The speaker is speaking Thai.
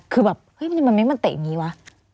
คือแบบมันไม่มันเตะอย่างนี้วะ